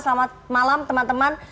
selamat malam teman teman